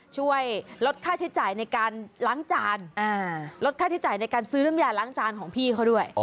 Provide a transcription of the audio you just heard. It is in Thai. ช่วยลดค่าใช้จ่ายในการล้างจานลดค่าใช้จ่ายในการซื้อน้ำยาล้างจานของพี่เขาด้วย